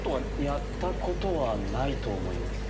やったことはないと思います。